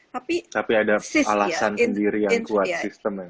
tapi ada alasan sendiri yang kuat sistemnya